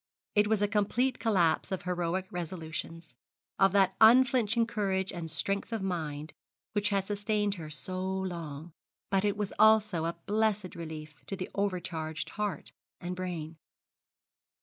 It was a complete collapse of heroic resolutions, of that unflinching courage and strength of mind which had sustained her so long; but it was also a blessed relief to the overcharged heart and brain.